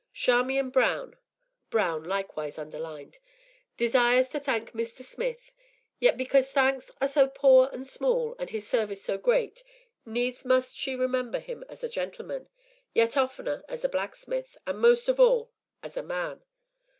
Charmian Brown ["Brown" likewise underlined] desires to thank Mr. Smith, yet because thanks are so poor and small, and his service so great, needs must she remember him as a gentleman, yet oftener as a blacksmith, and most of all, as a man.